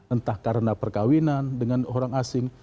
entah karena perkawinan dengan orang asing